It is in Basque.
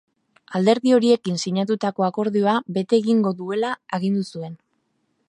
Alderdi horiekin sinatutako akordioa bete egingo duela agindu zuen.